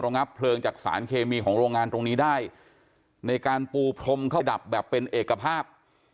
งับเพลิงจากสารเคมีของโรงงานตรงนี้ได้ในการปูพรมเข้าดับแบบเป็นเอกภาพ